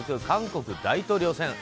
韓国大統領選。